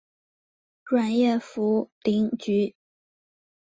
软叶茯苓菊